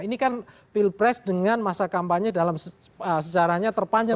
ini kan pilpres dengan masa kampanye dalam sejarahnya terpanjang